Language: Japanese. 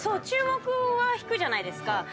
注目は引くじゃないですか。